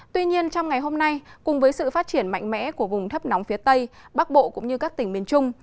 tuy nhiên trong ngày hôm nay cùng với sự phát triển mạnh mẽ của vùng thấp nóng phía tây bắc bộ cũng như các tỉnh miền trung